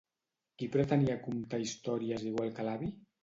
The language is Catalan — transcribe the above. Qui pretenia comptar històries igual que l'avi?